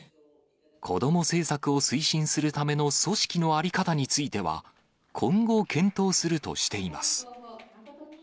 子ども政策を推進するための組織の在り方については、今後、検討するとしています。